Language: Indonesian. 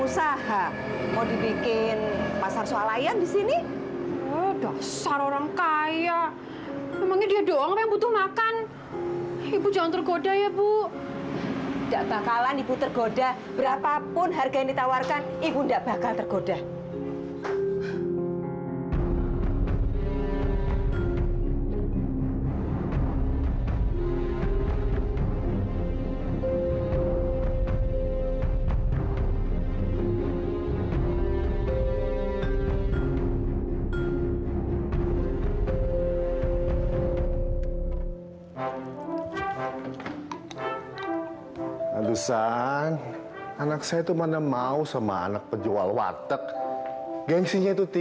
sampai jumpa di video selanjutnya